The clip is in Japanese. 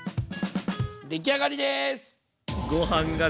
出来上がりです。